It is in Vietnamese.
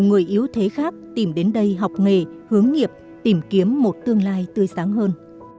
người yếu thế khác tìm đến đây học nghề hướng nghiệp tìm kiếm một tương lai tươi sáng hơn